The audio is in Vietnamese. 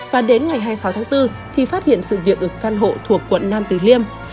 và đến ngày hai mươi sáu tháng bốn thì phát hiện sự việc ở căn hộ thuộc quận nam tử liêm